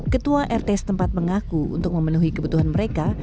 ketua rts tempat mengaku untuk memenuhi kebutuhan mereka